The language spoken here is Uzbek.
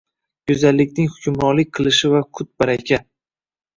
Go’zallikning hukmronlik qilishi va qut-baraka.